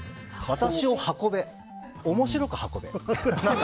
私を運べ、面白く運べ。